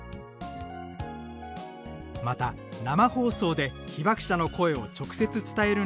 また生放送で被爆者の声を直接伝えるなど